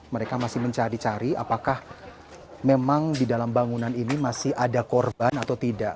mereka masih mencari cari apakah memang di dalam bangunan ini masih ada korban atau tidak